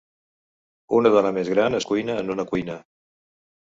Una dona més gran es cuina en una cuina.